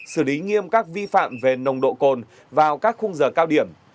xử lý nghiêm các vi phạm về nồng độ cồn vào các khung giờ cao điểm